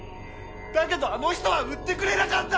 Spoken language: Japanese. だけどあの人は売ってくれなかった！